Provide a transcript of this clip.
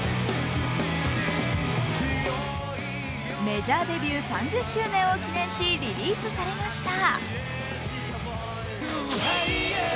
メジャーデビュー３０周年を記念し、リリースされました。